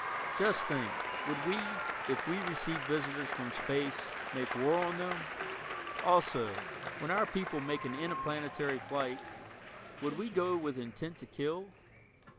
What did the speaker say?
Just think, would we, if we received visitors from space, make war on them? Also, when our people make an interplanetary flight, would we go with intent to kill?